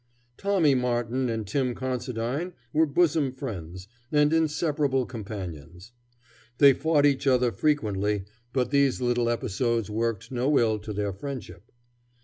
Tommy Martin and Tim Considine were bosom friends, and inseparable companions. They fought each other frequently, but these little episodes worked no ill to their friendship.